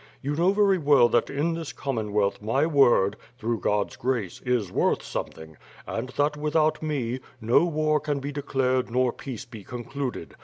You know very well that in this Commonwealth my word (through God's Grace) is worth something, and that, without me, no war can be declared nor peace be concluded.